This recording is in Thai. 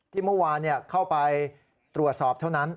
ที่เมื่อวานเข้าไปตรวจสอบเท่านั้น